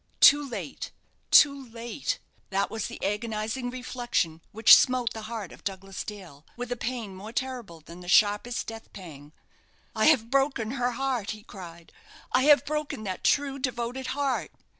Too late too late! That was the agonizing reflection which smote the heart of Douglas Dale, with a pain more terrible than the sharpest death pang. "I have broken her heart!" he cried. "I have broken that true, devoted heart!"